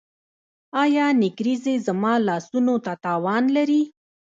ایا نکریزې زما لاسونو ته تاوان لري؟